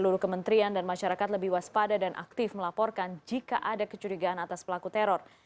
seluruh kementerian dan masyarakat lebih waspada dan aktif melaporkan jika ada kecurigaan atas pelaku teror